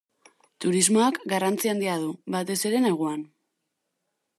Turismoak garrantzi handia du, batez ere neguan.